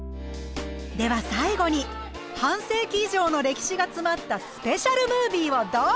では最後に半世紀以上の歴史が詰まったスペシャルムービーをどうぞ！